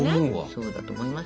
そうだと思いますよ。